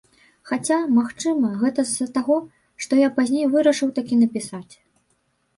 Хаця, магчыма, гэта з-за таго, што я пазней вырашыў такі напісаць.